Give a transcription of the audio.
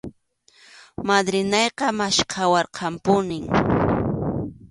Madrinayqa maskhawarqanpunim.